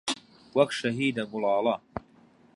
وەک شەهیدە گوڵاڵە